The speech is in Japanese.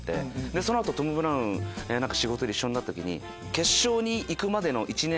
その後トム・ブラウン仕事で一緒になった時に。